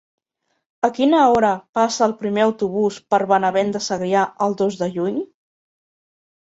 A quina hora passa el primer autobús per Benavent de Segrià el dos de juny?